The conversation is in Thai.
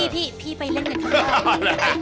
พี่พี่ไปเล่นกันครับ